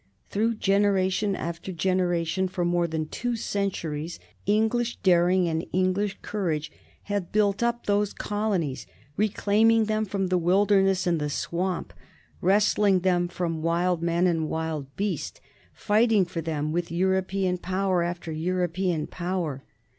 Through generation after generation, for more than two centuries, English daring and English courage had built up those colonies, reclaiming them from the wilderness and the swamp, wresting them from wild man and wild beast, fighting for them with European power after European power.